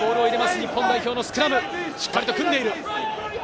日本代表のスクラム、しっかり組んでいる。